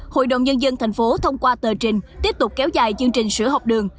hội đồng nhân dân thành phố thông qua tờ trình tiếp tục kéo dài chương trình sữa học đường